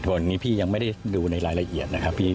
ทุกคนและงี้พี่ยังไม่ได้ดูในรายละเอียด